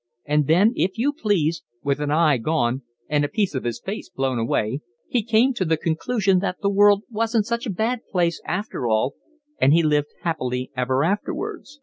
And then, if you please, with an eye gone and a piece of his face blow away, he came to the conclusion that the world wasn't such a bad place after all, and he lived happily ever afterwards.